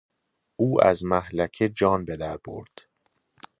او از مهلکه جان بدر برد.